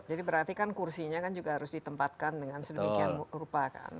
jadi berarti kan kursinya kan juga harus ditempatkan dengan sedemikian rupa kan